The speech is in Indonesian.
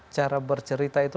cara bercerita itu